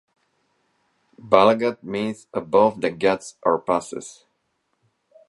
Balaghat means "above the ghats or passes".